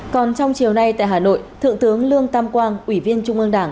còn trong chiều nay tại hà nội thượng tướng lương tam quang ủy viên trung ương đảng